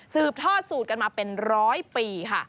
ทอดสูตรกันมาเป็นร้อยปีค่ะ